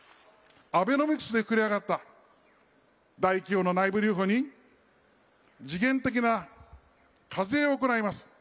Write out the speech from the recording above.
アベノミクスで膨れ上がった大企業の内部留保に時限的な課税を行います。